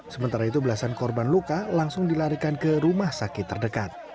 sementara itu belasan korban luka langsung dilarikan ke rumah sakit terdekat